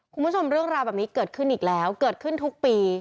คุณผู้ชมเรื่องราวแบบนี้เกิดขึ้นอีกแล้วเกิดขึ้นทุกปี